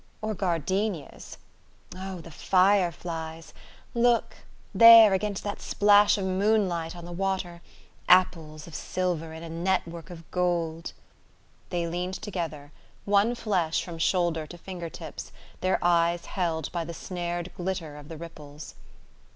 Or gardenias.... Oh, the fire flies! Look... there, against that splash of moonlight on the water. Apples of silver in a net work of gold...." They leaned together, one flesh from shoulder to finger tips, their eyes held by the snared glitter of the ripples.